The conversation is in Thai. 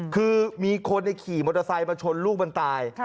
คือมีคนขี่มอเตอร์ไซค์มาชนลูกมันตาย